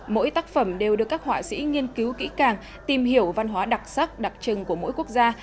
mỗi tác phẩm đều được các họa sĩ nghiên cứu kỹ càng tìm hiểu văn hóa đặc sắc đặc trưng của mỗi quốc gia